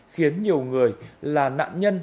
khiến nhiều người là nạn nhân